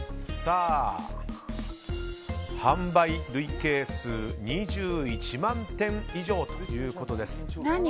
販売累計数２１万点以上ということです。